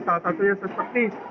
salah satunya sespektif